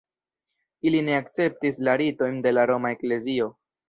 Ili ne akceptis la ritojn de la Roma eklezio.